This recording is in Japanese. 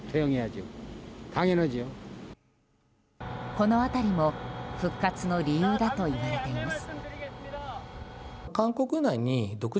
この辺りも復活の理由だといわれています。